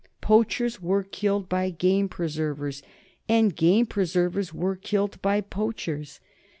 Poachers were killed by game preservers, and game preservers were killed by poachers.